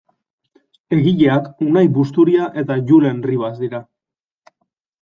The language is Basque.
Egileak Unai Busturia eta Julen Ribas dira.